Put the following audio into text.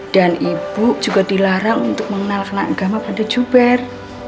dan ibu juga dilarang untuk mengenalkan agama pada juber